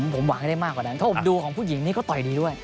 ผมหวังให้ได้มากกว่านั้นถ้าผมดูของผู้หญิงนี่ก็ต่อยดีด้วย